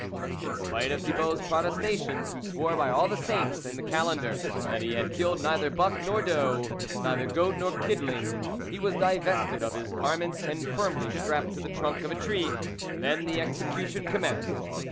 In spite of Thibault's protestations, who swore by all the saints in the calender, that he had killed neither buck, nor doe, neither goat nor kidling, he was divested of his garments and firmly strapped to the trunk of a tree ; then the execution com menced.